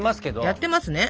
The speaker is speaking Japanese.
やってますね。